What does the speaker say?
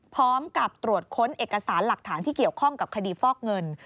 พร้อมกับตรวจค้นเอกสารหลักฐานที่เกี่ยวข้องกับคดีฟอกเงิน